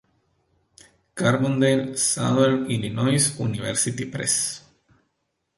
Carbondale, Southern Illinois University Press